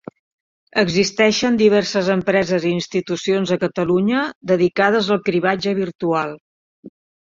Existeixen diverses empreses i institucions a Catalunya dedicades al cribratge virtual.